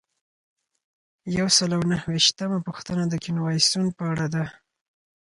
یو سل او نهه ویشتمه پوښتنه د کنوانسیون په اړه ده.